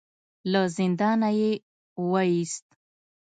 له زندانه يې وايست.